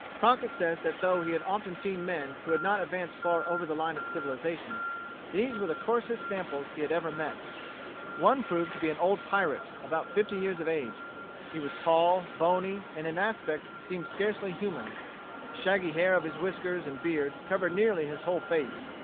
Crockett says that though he had often seen men who had not advanced far over the line of civilization, these were the coarsest samples he had ever met. One proved to be an old pirate, about fifty years of age. He was tall, bony, and in aspect seemed scarcely human. The shaggy hair of his whiskers and beard covered nearly his whole face.